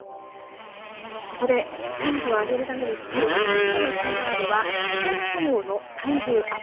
そこで賃金を上げるために必要な２つ目のキーワードは非正規雇用の待遇ＵＰ。